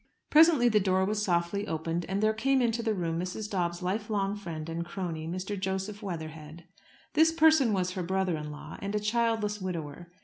Presently the door was softly opened, and there came into the room Mrs. Dobbs's life long friend and crony, Mr. Joseph Weatherhead. This person was her brother in law, and a childless widower.